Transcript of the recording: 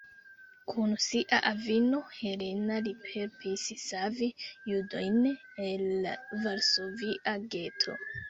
Kun sia avino Helena li helpis savi judojn el la Varsovia geto.